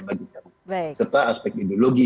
bagikan serta aspek ideologi